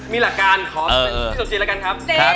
มีหลักการขอพี่สมจิตละกันครับ